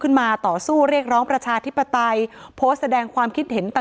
ต่อสู้เรียกร้องประชาธิปไตยโพสต์แสดงความคิดเห็นต่าง